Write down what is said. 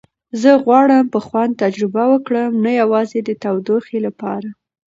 زه غواړم په خوند تجربه وکړم، نه یوازې د تودوخې لپاره.